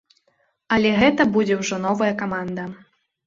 Але гэта будзе ўжо новая каманда.